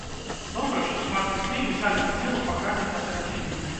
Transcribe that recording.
Добра, што шмат людзей узялі ўдзел у паказе гэтага фільму.